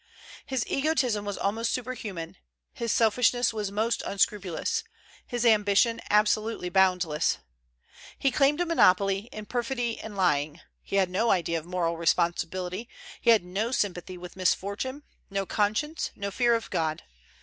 His egotism was almost superhuman, his selfishness was most unscrupulous, his ambition absolutely boundless. He claimed a monopoly in perfidy and lying; he had no idea of moral responsibility; he had no sympathy with misfortune, no conscience, no fear of God.